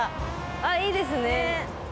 あっいいですね。